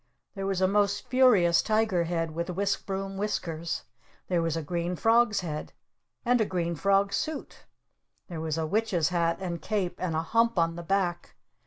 There was a most furious tiger head with whisk broom whiskers! There was a green frog's head! And a green frog's suit! There was a witch's hat and cape! And a hump on the back!